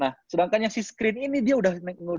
nah sedangkan yang si screen ini dia udah